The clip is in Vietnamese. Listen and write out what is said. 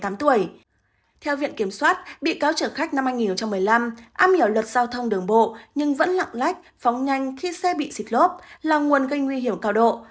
theo viện kiểm soát bị cáo chở khách năm hai nghìn một mươi năm am hiểu luật giao thông đường bộ nhưng vẫn lặng lách phóng nhanh khi xe bị xịt lốp là nguồn gây nguy hiểm cao độ